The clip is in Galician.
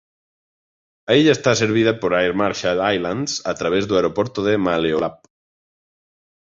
A illa está servida por Air Marshall Islands a través do aeroporto de Maloelap.